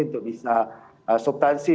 untuk bisa subtansi